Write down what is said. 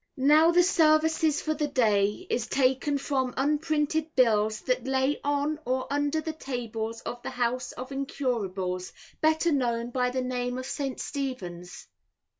Now the Services for the Day is taken from unprinted Bills that lay on or under the tables of the House of Incurables, better known by the name of St. Stephen's.